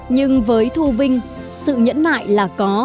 nhưng với thu vinh sự nhẫn nại là